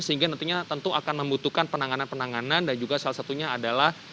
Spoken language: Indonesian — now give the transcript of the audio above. sehingga nantinya tentu akan membutuhkan penanganan penanganan dan juga salah satunya adalah